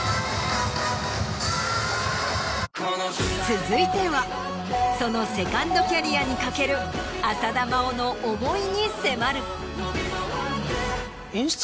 続いてはそのセカンドキャリアに懸ける浅田真央の思いに迫る。